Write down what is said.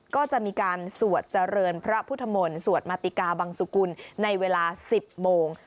ก็จะมีการสวดเจริญพระพุทธมนต์สวดมาติกาบังสุกุลในเวลา๑๐โมง